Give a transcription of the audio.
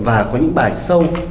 và có những bài sâu